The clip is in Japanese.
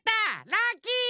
ラッキー！